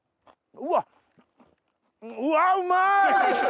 うわうまい！